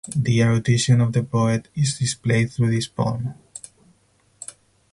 The erudition of the poet is displayed through this poem.